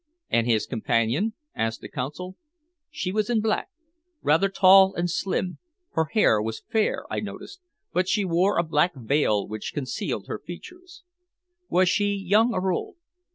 "And his companion?" asked the Consul. "She was in black. Rather tall and slim. Her hair was fair, I noticed, but she wore a black veil which concealed her features." "Was she young or old?"